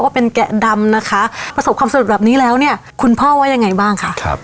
ว่าเป็นแกะดำนะคะประสบความสำเร็จแบบนี้แล้วเนี่ยคุณพ่อว่ายังไงบ้างคะครับ